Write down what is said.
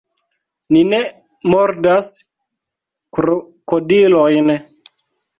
Ni ne mordas krokodilojn.